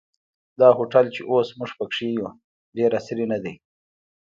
دا هوټل چې اوس موږ په کې یو ډېر عصري نه دی.